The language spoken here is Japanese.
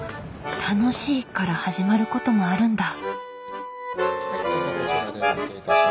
「楽しい」から始まることもあるんだ。